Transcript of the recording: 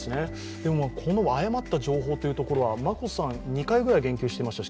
でも誤った情報というところは眞子さん、今日の会見でも２回ぐらい言及していました。